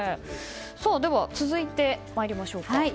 では続いて、まいりましょうか。